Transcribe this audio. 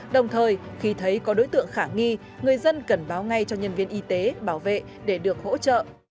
đồng thời khi thấy có đối tượng khả nghi người dân cần báo ngay cho nhân viên y tế bảo vệ để được hỗ trợ